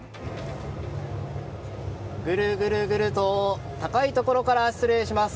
ぐるぐると高いところから失礼します。